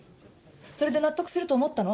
それで納得すると思ったの？